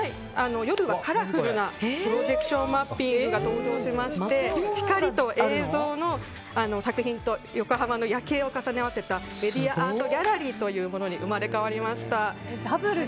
夜はカラフルなプロジェクションマッピングが登場しまして、光と映像の作品と横浜の夜景を重ね合わせたメディアアートギャラリーというものに生まれ変わりました。